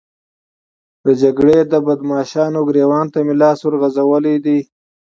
د جګړې د بدماشانو ګرېوان ته مې لاس ورغځولی دی.